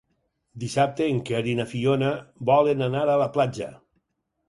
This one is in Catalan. Dissabte en Quer i na Fiona volen anar a la platja.